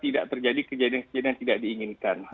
tidak terjadi kejadian kejadian yang tidak diinginkan